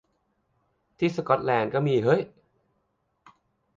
ที่สก๊อตแลนด์ก็มีเห้ย